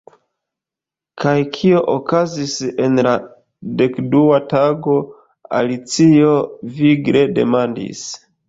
"Kaj kio okazis en la dekdua tago," Alicio vigle demandis.